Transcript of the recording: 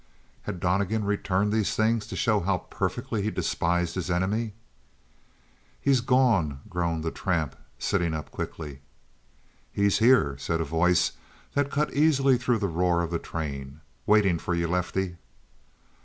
Had Donnegan returned these things to show how perfectly he despised his enemy? "He's gone!" groaned the tramp, sitting up quickly. "He's here," said a voice that cut easily through the roar of the train. "Waiting for you, Lefty."